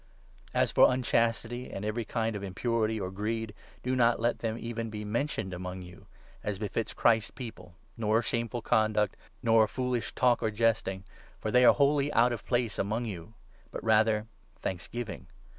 As for unchastity and every kind of impurity, or greed, do 3 not let them even be mentioned among you, as befits Christ's People, nor shameful conduct, nor foolish talk or jesting, for 4 they are wholly out of place among you ; but rather thanks giving.